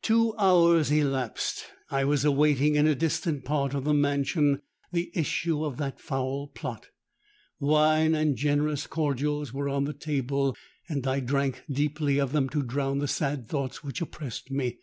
"Two hours elapsed! I was awaiting, in a distant part of the mansion, the issue of that foul plot. Wine and generous cordials were on the table; and I drank deeply of them to drown the sad thoughts which oppressed me.